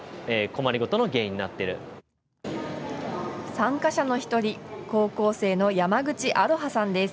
参加者の１人、高校生の山口愛葉さんです。